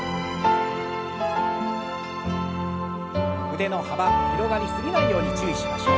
腕の幅広がり過ぎないように注意しましょう。